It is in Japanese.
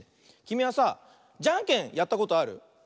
きみはさじゃんけんやったことある？